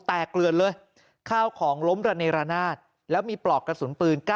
เกลือนเลยข้าวของล้มระเนรนาศแล้วมีปลอกกระสุนปืน